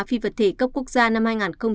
phi vật thể cấp quốc gia năm hai nghìn hai mươi ba